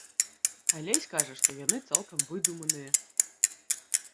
Алесь кажа, што яны цалкам выдуманыя.